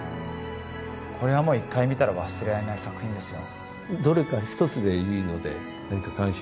これはもう１回見たら忘れられない作品ですよ。